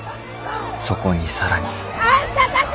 そこに更にあんたたち！